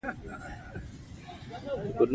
د قوې مومنت په لوی والي او لوري پورې اړه لري.